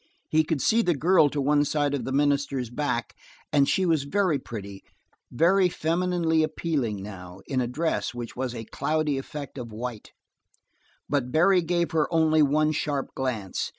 He could see the girl to one side of the minister's back, and she was very pretty, very femininely appealing, now, in a dress which was a cloudy effect of white; but Barry gave her only one sharp glance.